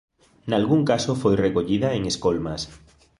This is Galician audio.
Nalgún caso foi recollida en escolmas.